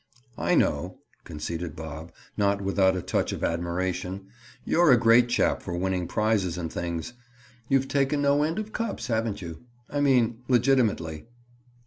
"I know," conceded Bob, not without a touch of admiration, "you're a great chap for winning prizes and things. You've taken no end of cups, haven't you? I mean, legitimately."